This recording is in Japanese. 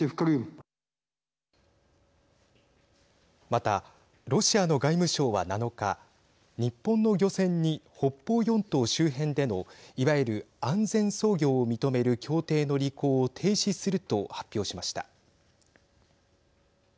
また、ロシアの外務省は７日日本の漁船に北方四島周辺でのいわゆる安全操業を認める協定の履行を停止すると発表しました。